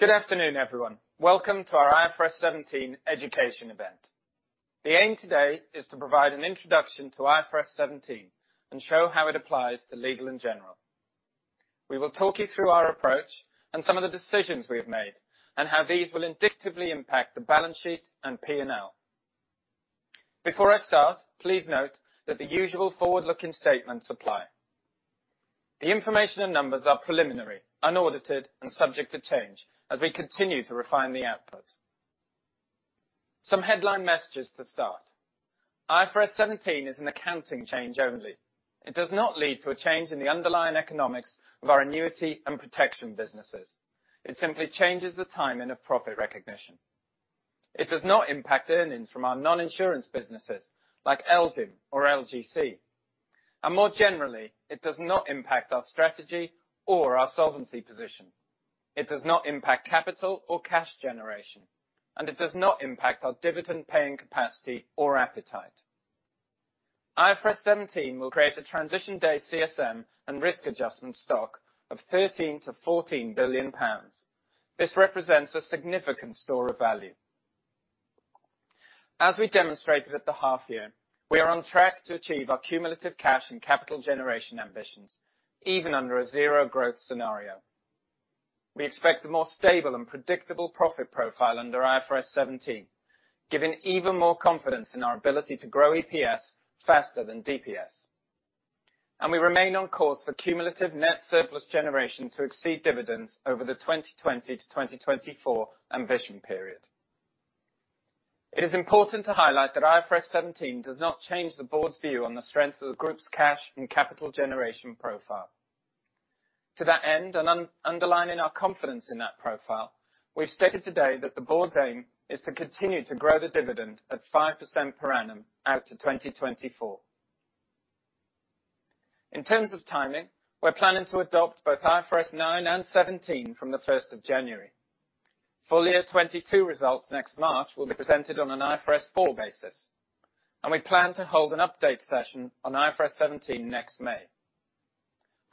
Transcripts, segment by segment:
Good afternoon, everyone. Welcome to our IFRS 17 education event. The aim today is to provide an introduction to IFRS 17 and show how it applies to Legal & General. We will talk you through our approach and some of the decisions we have made, and how these will indicatively impact the balance sheet and P&L. Before I start, please note that the usual forward-looking statements apply. The information and numbers are preliminary, unaudited, and subject to change as we continue to refine the output. Some headline messages to start. IFRS 17 is an accounting change only. It does not lead to a change in the underlying economics of our annuity and protection businesses. It simply changes the timing of profit recognition. It does not impact earnings from our non-insurance businesses like LGIM or LGC. More generally, it does not impact our strategy or our solvency position. It does not impact capital or cash generation, and it does not impact our dividend-paying capacity or appetite. IFRS 17 will create a transition day CSM and risk adjustment stock of 13 billion-14 billion pounds. This represents a significant store of value. As we demonstrated at the half year, we are on track to achieve our cumulative cash and capital generation ambitions, even under a zero growth scenario. We expect a more stable and predictable profit profile under IFRS 17, giving even more confidence in our ability to grow EPS faster than DPS. We remain on course for cumulative net surplus generation to exceed dividends over the 2020 to 2024 ambition period. It is important to highlight that IFRS 17 does not change the board's view on the strength of the group's cash and capital generation profile. To that end, and underlining our confidence in that profile, we've stated today that the board's aim is to continue to grow the dividend at 5% per annum out to 2024. In terms of timing, we're planning to adopt both IFRS 9 and 17 from January 1. Full year 2022 results next March will be presented on an IFRS 4 basis, and we plan to hold an update session on IFRS 17 next May.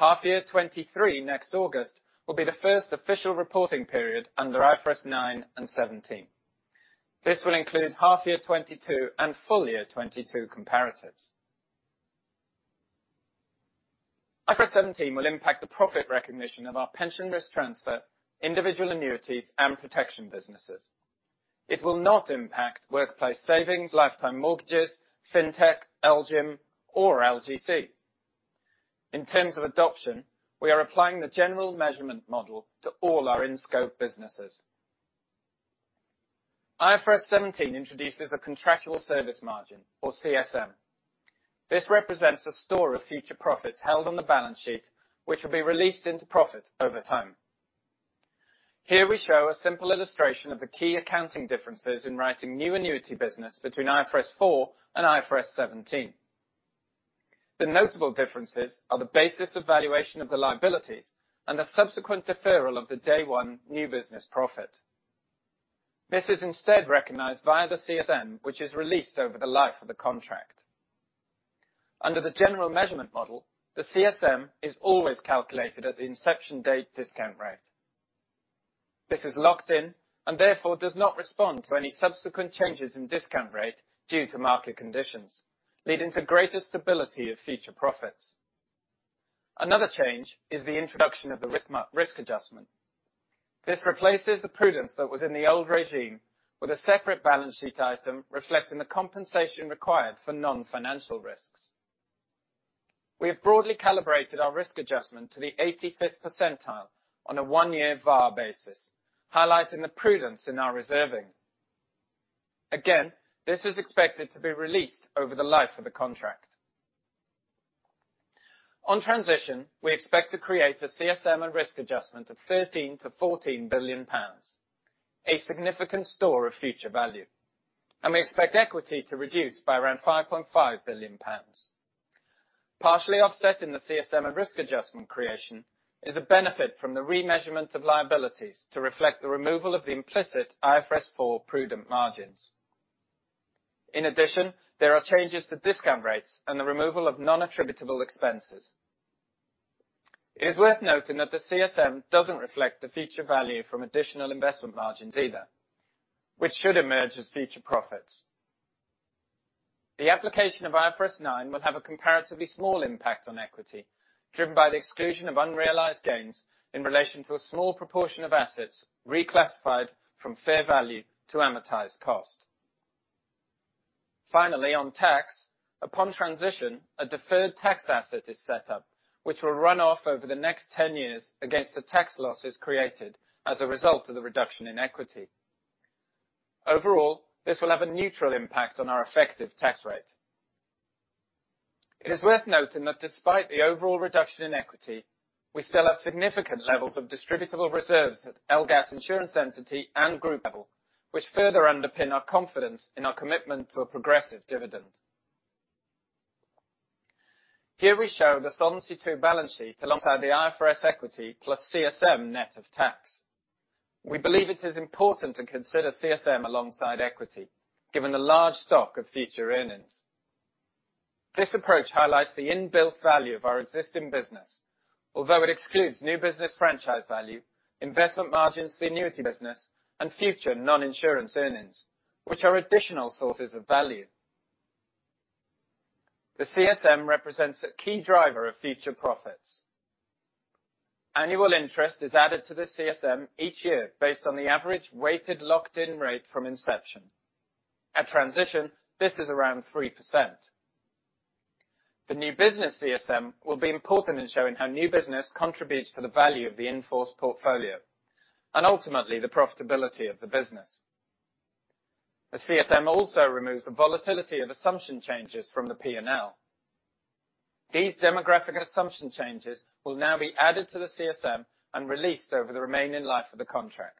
Half year 2023, next August, will be the first official reporting period under IFRS 9 and 17. This will include half year 2022 and full year 2022 comparatives. IFRS 17 will impact the profit recognition of our pension risk transfer, individual annuities, and protection businesses. It will not impact Workplace Savings, lifetime mortgages, fintech, LGIM, or LGC. In terms of adoption, we are applying the General Measurement Model to all our in-scope businesses. IFRS 17 introduces a contractual service margin, or CSM. This represents a store of future profits held on the balance sheet, which will be released into profit over time. Here we show a simple illustration of the key accounting differences in writing new annuity business between IFRS 4 and IFRS 17. The notable differences are the basis of valuation of the liabilities and the subsequent deferral of the day one new business profit. This is instead recognized via the CSM, which is released over the life of the contract. Under the General Measurement Model, the CSM is always calculated at the inception date discount rate. This is locked in, and therefore does not respond to any subsequent changes in discount rate due to market conditions, leading to greater stability of future profits. Another change is the introduction of the risk adjustment. This replaces the prudence that was in the old regime with a separate balance sheet item reflecting the compensation required for non-financial risks. We have broadly calibrated our risk adjustment to the 85th percentile on a one-year VaR basis, highlighting the prudence in our reserving. Again, this is expected to be released over the life of the contract. On transition, we expect to create a CSM and risk adjustment of 13 billion-14 billion pounds, a significant store of future value, and we expect equity to reduce by around 5.5 billion pounds. Partially offsetting the CSM and risk adjustment creation is a benefit from the remeasurement of liabilities to reflect the removal of the implicit IFRS 4 prudent margins. In addition, there are changes to discount rates and the removal of non-attributable expenses. It is worth noting that the CSM doesn't reflect the future value from additional investment margins either, which should emerge as future profits. The application of IFRS 9 will have a comparatively small impact on equity, driven by the exclusion of unrealized gains in relation to a small proportion of assets reclassified from fair value to amortized cost. On tax, upon transition, a deferred tax asset is set up, which will run off over the next 10 years against the tax losses created as a result of the reduction in equity. This will have a neutral impact on our effective tax rate. It is worth noting that despite the overall reduction in equity, we still have significant levels of distributable reserves at LGAS insurance entity and group level, which further underpin our confidence in our commitment to a progressive dividend. Here we show the Solvency II balance sheet alongside the IFRS equity plus CSM net of tax. We believe it is important to consider CSM alongside equity, given the large stock of future earnings. This approach highlights the inbuilt value of our existing business. It excludes new business franchise value, investment margins, the annuity business, and future non-insurance earnings, which are additional sources of value. The CSM represents a key driver of future profits. Annual interest is added to the CSM each year based on the average weighted locked-in rate from inception. At transition, this is around 3%. The new business CSM will be important in showing how new business contributes to the value of the in-force portfolio, and ultimately the profitability of the business. The CSM also removes the volatility of assumption changes from the P&L. These demographic assumption changes will now be added to the CSM and released over the remaining life of the contract.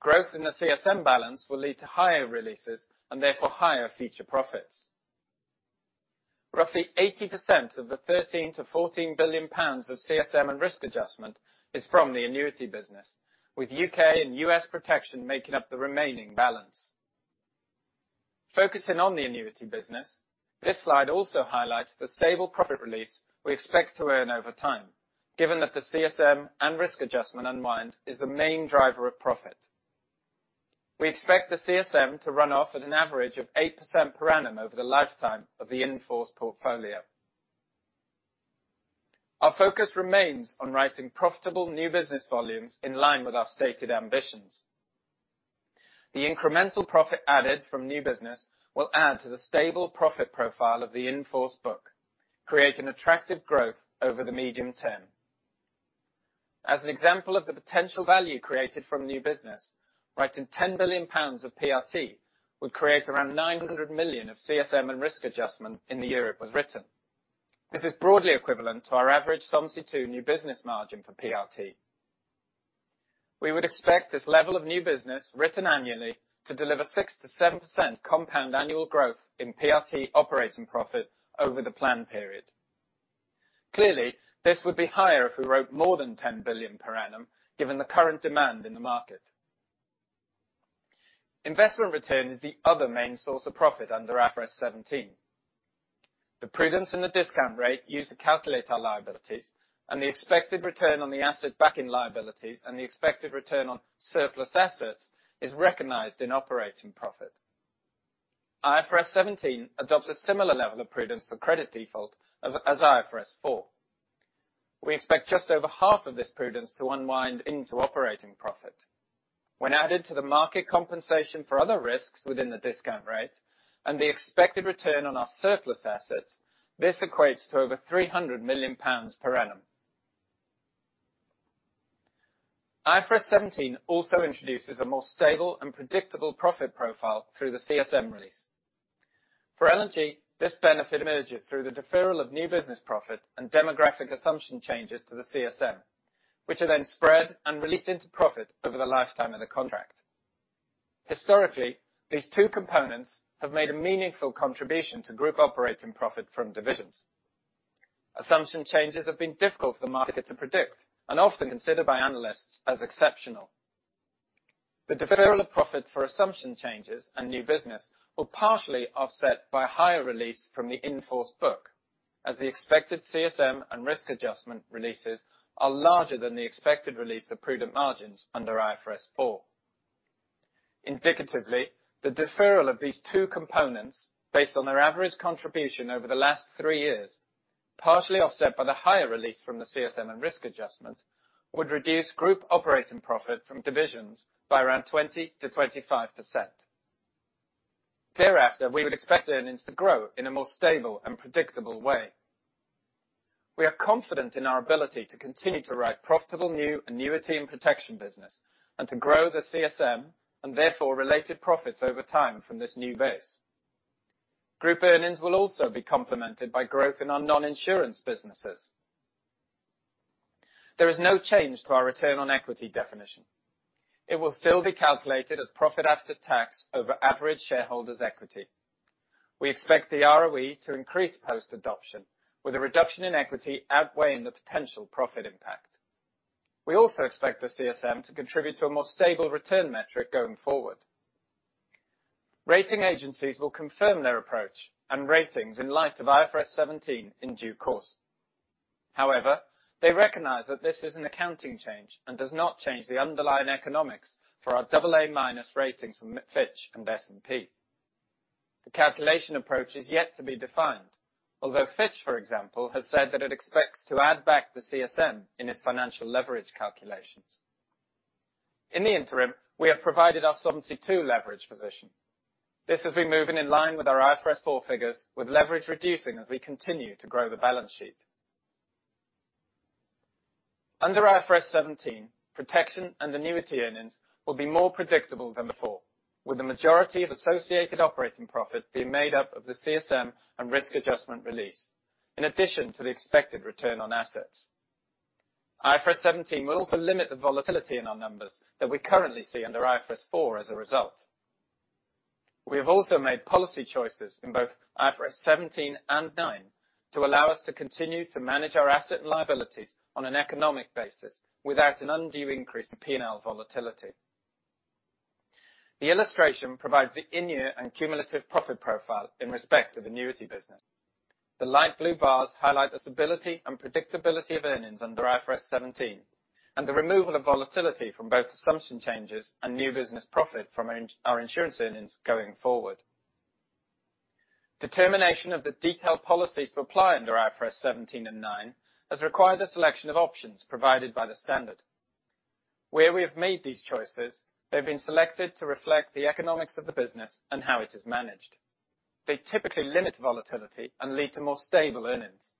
Growth in the CSM balance will lead to higher releases and therefore higher future profits. Roughly 80% of the 13 billion-14 billion pounds of CSM and risk adjustment is from the annuity business, with U.K. and U.S. protection making up the remaining balance. Focusing on the annuity business, this slide also highlights the stable profit release we expect to earn over time, given that the CSM and risk adjustment unwind is the main driver of profit. We expect the CSM to run off at an average of 8% per annum over the lifetime of the in-force portfolio. Our focus remains on writing profitable new business volumes in line with our stated ambitions. The incremental profit added from new business will add to the stable profit profile of the in-force book, creating attractive growth over the medium term. As an example of the potential value created from new business, writing 10 billion pounds of PRT would create around 900 million of CSM and risk adjustment in the year it was written. This is broadly equivalent to our average Solvency II new business margin for PRT. We would expect this level of new business written annually to deliver 6%-7% compound annual growth in PRT operating profit over the plan period. Clearly, this would be higher if we wrote more than 10 billion per annum, given the current demand in the market. Investment return is the other main source of profit under IFRS 17. The prudence in the discount rate used to calculate our liabilities and the expected return on the assets backing liabilities and the expected return on surplus assets is recognized in operating profit. IFRS 17 adopts a similar level of prudence for credit default as IFRS 4. We expect just over half of this prudence to unwind into operating profit. When added to the market compensation for other risks within the discount rate and the expected return on our surplus assets, this equates to over 300 million pounds per annum. IFRS 17 also introduces a more stable and predictable profit profile through the CSM release. For L&G, this benefit emerges through the deferral of new business profit and demographic assumption changes to the CSM, which are then spread and released into profit over the lifetime of the contract. Historically, these two components have made a meaningful contribution to group operating profit from divisions. Assumption changes have been difficult for the market to predict and often considered by analysts as exceptional. The deferral of profit for assumption changes and new business were partially offset by higher release from the in-force book as the expected CSM and risk adjustment releases are larger than the expected release of prudent margins under IFRS 4. Indicatively, the deferral of these two components, based on their average contribution over the last three years, partially offset by the higher release from the CSM and risk adjustment, would reduce group operating profit from divisions by around 20%-25%. Thereafter, we would expect earnings to grow in a more stable and predictable way. We are confident in our ability to continue to write profitable new annuity and protection business, to grow the CSM, and therefore related profits over time from this new base. Group earnings will also be complemented by growth in our non-insurance businesses. There is no change to our return on equity definition. It will still be calculated as profit after tax over average shareholders' equity. We expect the ROE to increase post-adoption, with a reduction in equity outweighing the potential profit impact. We also expect the CSM to contribute to a more stable return metric going forward. Rating agencies will confirm their approach and ratings in light of IFRS 17 in due course. They recognize that this is an accounting change and does not change the underlying economics for our AA- ratings from Fitch and S&P. The calculation approach is yet to be defined, although Fitch, for example, has said that it expects to add back the CSM in its financial leverage calculations. In the interim, we have provided our Solvency II leverage position. This has been moving in line with our IFRS 4 figures, with leverage reducing as we continue to grow the balance sheet. Under IFRS 17, protection and annuity earnings will be more predictable than before, with the majority of associated operating profit being made up of the CSM and risk adjustment release, in addition to the expected return on assets. IFRS 17 will also limit the volatility in our numbers that we currently see under IFRS 4 as a result. We have also made policy choices in both IFRS 17 and 9 to allow us to continue to manage our asset and liabilities on an economic basis without an undue increase in P&L volatility. The illustration provides the in-year and cumulative profit profile in respect of annuity business. The light blue bars highlight the stability and predictability of earnings under IFRS 17, and the removal of volatility from both assumption changes and new business profit from our insurance earnings going forward. Determination of the detailed policies to apply under IFRS 17 and 9 has required a selection of options provided by the standard. Where we have made these choices, they've been selected to reflect the economics of the business and how it is managed. They typically limit volatility and lead to more stable earnings.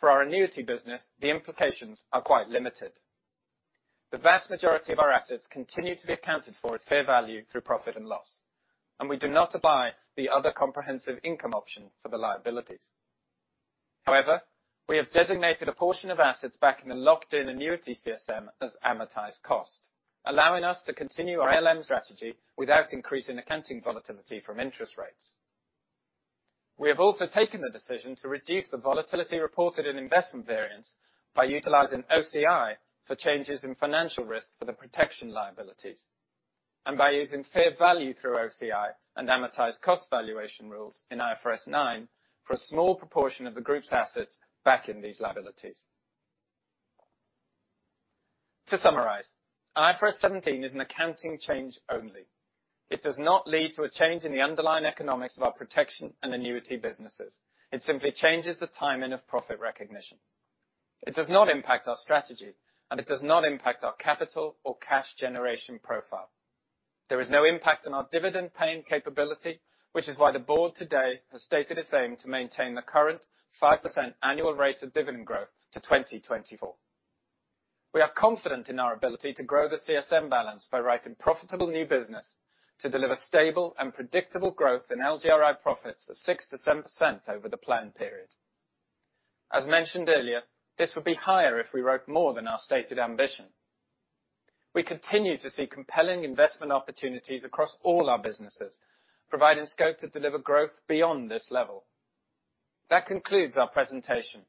For our annuity business, the implications are quite limited. The vast majority of our assets continue to be accounted for at fair value through profit and loss, and we do not apply the other comprehensive income option for the liabilities. However, we have designated a portion of assets back in the locked-in annuity CSM as amortized cost, allowing us to continue our LM strategy without increasing accounting volatility from interest rates. We have also taken the decision to reduce the volatility reported in investment variance by utilizing OCI for changes in financial risk for the protection liabilities, and by using fair value through OCI and amortized cost valuation rules in IFRS 9 for a small proportion of the group's assets back in these liabilities. To summarize, IFRS 17 is an accounting change only. It does not lead to a change in the underlying economics of our protection and annuity businesses. It simply changes the timing of profit recognition. It does not impact our strategy. It does not impact our capital or cash generation profile. There is no impact on our dividend paying capability, which is why the board today has stated its aim to maintain the current 5% annual rate of dividend growth to 2024. We are confident in our ability to grow the CSM balance by writing profitable new business to deliver stable and predictable growth in LGRI profits of 6%-7% over the planned period. As mentioned earlier, this would be higher if we wrote more than our stated ambition. We continue to see compelling investment opportunities across all our businesses, providing scope to deliver growth beyond this level. That concludes our presentation.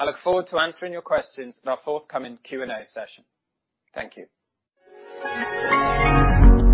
I look forward to answering your questions in our forthcoming Q&A session. Thank you.